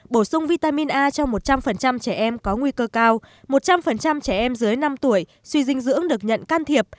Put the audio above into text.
bổ sung vitamin a cho một trăm linh trẻ em có nguy cơ cao một trăm linh trẻ em dưới năm tuổi suy dinh dưỡng được nhận can thiệp